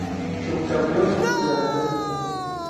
Subcampeón y ascenso.